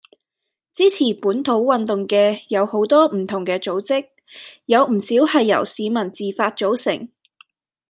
支持本土運動嘅有好多唔同嘅組織，有唔少係由市民自發組成